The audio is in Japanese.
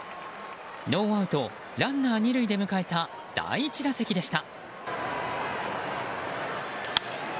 ノーアウトランナー２塁で迎えた第１打席でした。